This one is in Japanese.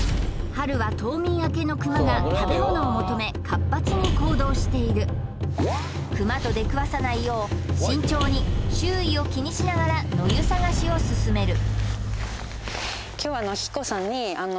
春は冬眠明けのクマが食べ物を求め活発に行動しているクマと出くわさないよう慎重に周囲を気にしながら野湯探しを進める